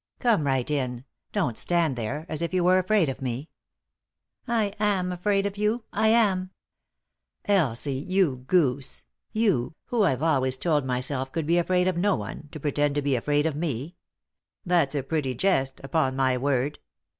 Come right in ; don't stand there, as if you were afraid of me 1 " "I am afraid of you — I am 1 " "Elsie — you goose — you, who I've always told myself could be afraid of no one, to pretend to be afraid of me I That's a pretty jest, upon my word.